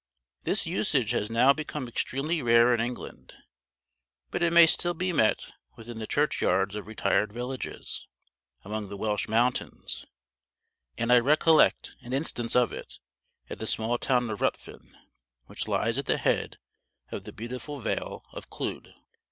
This usage has now become extremely rare in England; but it may still be met with in the churchyards of retired villages, among the Welsh mountains; and I recollect an instance of it at the small town of Ruthven, which lies at the head of the beautiful vale of Clewyd.